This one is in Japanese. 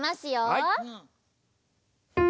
はい。